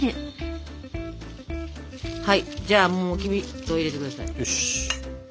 はいじゃあもうきび糖入れてください。